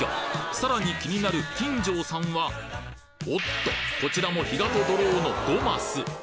さらに気になる金城さんはおっとこちらも比嘉とドローの５マス！